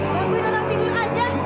gangguin anak tidur aja